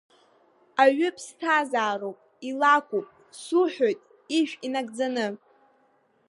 Аҩы ԥсҭазаароуп, илакәуп, суҳәоит ижә инагӡаны!